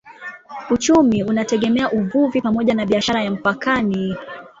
Uchumi unategemea uvuvi pamoja na biashara ya mpakani.